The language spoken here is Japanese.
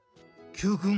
Ｑくん